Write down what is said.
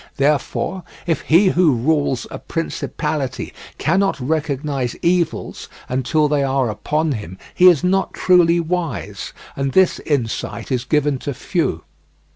Therefore, if he who rules a principality cannot recognize evils until they are upon him, he is not truly wise; and this insight is given to few.